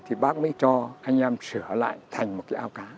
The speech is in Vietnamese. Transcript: thì bác mới cho anh em sửa lại thành một cái ao cá